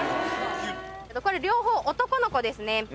これ両方男の子ですね